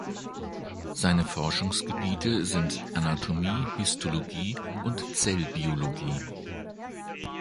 Seine Forschungsgebiete sind Anatomie, Histologie und Zellbiologie.